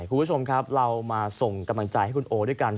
คุณผู้ชมครับเรามาส่งกำลังใจให้คุณโอด้วยกัน